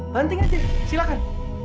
banting aja silahkan